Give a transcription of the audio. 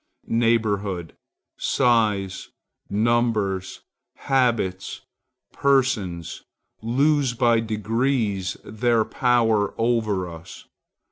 Neighborhood, size, numbers, habits, persons, lose by degrees their power over us.